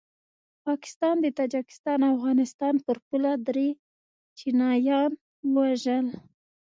پاکستان د تاجکستان او افغانستان پر پوله دري چینایان ووژل